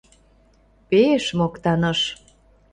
Пе-еш моктаныш.